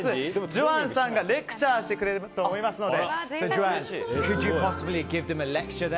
ジョアンさんがレクチャーしてくれると思いますので。